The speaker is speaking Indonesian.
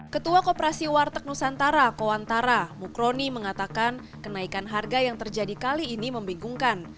ketua koperasi warteg nusantara kowantara mukroni mengatakan kenaikan harga yang terjadi kali ini membingungkan